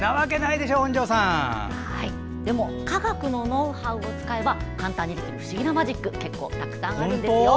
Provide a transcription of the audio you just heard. でも科学のノウハウを使えば簡単にできる不思議なマジック結構たくさんあるんですよ。